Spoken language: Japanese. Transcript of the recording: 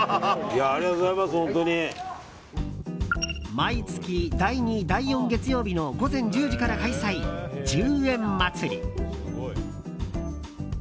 毎月第２、第４月曜日の午前１０時から開催１０円まつり。